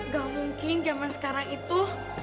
gak mungkin zaman sekarang itu